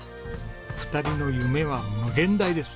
２人の夢は無限大です。